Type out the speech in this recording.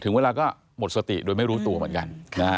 เวลาก็หมดสติโดยไม่รู้ตัวเหมือนกัน